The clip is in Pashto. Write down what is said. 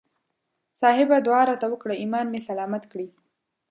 صاحبه دعا راته وکړه ایمان مې سلامت کړي.